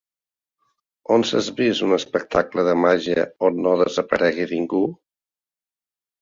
On s'és vist un espectacle de màgia on no desaparegui ningú!